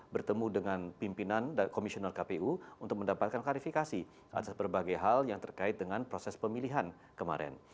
bertemu dengan pimpinan dan komisioner kpu untuk mendapatkan klarifikasi atas berbagai hal yang terkait dengan proses pemilihan kemarin